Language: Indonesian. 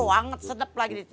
wanget sedap lagi